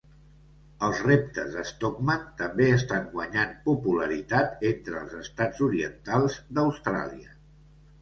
Els reptes de Stockman també estan guanyant popularitat entre els estats orientals d'Austràlia.